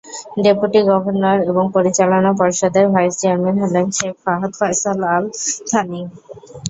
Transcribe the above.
Deputy governor এবং পরিচালনা পর্ষদের ভাইস-চেয়ারম্যান হলেন শেখ ফাহাদ ফয়সাল আল-থানি।